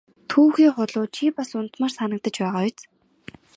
Түүхий хулуу чи бас унтмаар санагдаж байгаа биз!